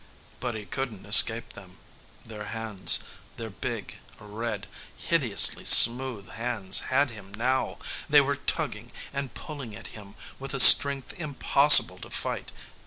But he couldn't escape them. Their hands, their big, red, hideously smooth hands had him, now. They were tugging and pulling at him with a strength impossible to fight.